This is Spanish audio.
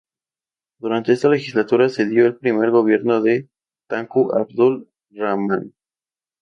Durante esta legislatura, se dio el primer gobierno de Tunku Abdul Rahman.